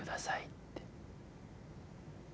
って。